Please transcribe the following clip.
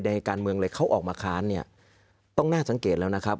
การเมืองเลยเขาออกมาค้านเนี่ยต้องน่าสังเกตแล้วนะครับ